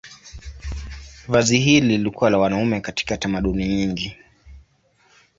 Vazi hili lilikuwa la wanaume katika tamaduni nyingi.